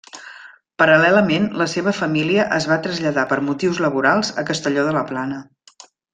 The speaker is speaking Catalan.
Paral·lelament, la seva família es va traslladar per motius laborals a Castelló de la Plana.